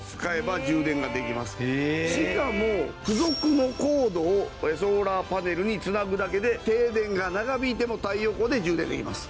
しかも付属のコードをソーラーパネルに繋ぐだけで停電が長引いても太陽光で充電できます。